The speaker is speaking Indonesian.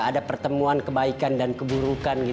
ada pertemuan kebaikan dan keburukan